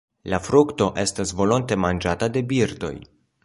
La frukto estas volonte manĝata de birdoj.